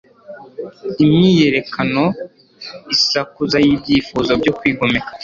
Imyiyerekano isakuza yibyifuzo byo kwigomeka